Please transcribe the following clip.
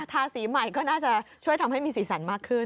ทาสีใหม่ก็น่าจะช่วยทำให้มีสีสันมากขึ้น